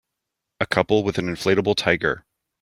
A couple with an inflatable tiger.